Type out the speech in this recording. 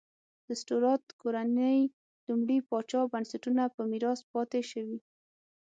د سټورات کورنۍ لومړي پاچا بنسټونه په میراث پاتې شوې.